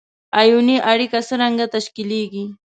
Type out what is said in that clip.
آیوني اړیکه څرنګه تشکیلیږي؟